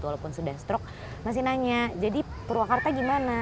walaupun sudah stroke masih nanya jadi purwakarta gimana